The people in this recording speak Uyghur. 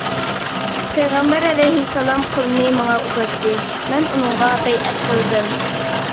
پەيغەمبەر ئەلەيھىسسالام قولىنى ماڭا ئۇزاتتى مەن ئۇنىڭغا بەيئەت قىلدىم.